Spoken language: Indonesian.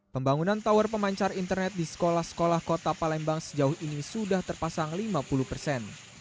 pembangunan tower pemancar internet di sekolah sekolah kota palembang sejauh ini sudah terpasang lima puluh persen